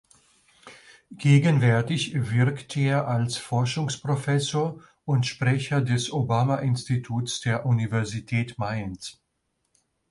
Gegenwärtig wirkt er als Forschungsprofessor und Sprecher des Obama Instituts der Universität Mainz.